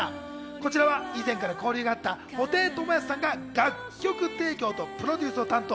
こちらは以前から交流があった布袋寅泰さんが楽曲提供とプロデュースを担当。